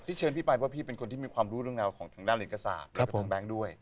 ที่เชิญพี่ปลายว่าพี่เป็นคนที่มีความรู้เรื่องราวของทางด้านเหลศกษาบและกับทางแบงค์ด้วย